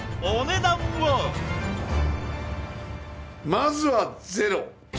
まずはゼロ。